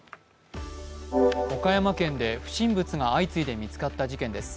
岡山県で不審物が相次いで見つかった事件です。